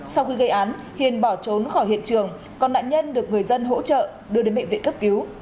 sau khi gây án hiền bỏ trốn khỏi hiện trường còn nạn nhân được người dân hỗ trợ đưa đến bệnh viện cấp cứu